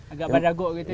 agak berdaguk gitu ya